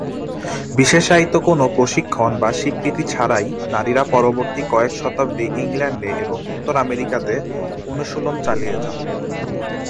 বিশেষায়িত কোন প্রশিক্ষণ বা স্বীকৃতি ছাড়াই নারীরা পরবর্তী কয়েক শতাব্দী ইংল্যান্ডে এবং উত্তর আমেরিকাতে অনুশীলন চালিয়ে যান!